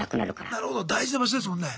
なるほど大事な場所ですもんね。